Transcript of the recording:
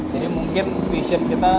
jadi mungkin vision kita